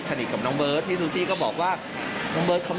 กับน้องเบิร์ตพี่ซูซี่ก็บอกว่าน้องเบิร์ตเขา